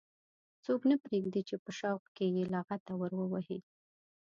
څوک نه پرېږدي چې په شوق کې یې لغته ور ووهي.